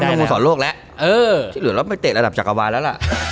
แค่มนุษย์สอนโลกแล้วที่เหลือเราไปเตะระดับจักรวาลแล้วล่ะ